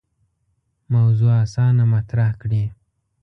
موضوع اسانه مطرح کړي.